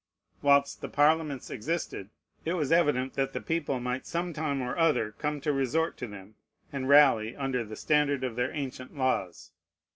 Whilst the Parliaments existed, it was evident that the people might some time or other come to resort to them, and rally under the standard of their ancient laws.